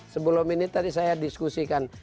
sebelum ini tadi saya diskusikan